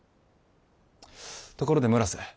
ところで村瀬